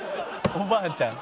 おばあちゃん。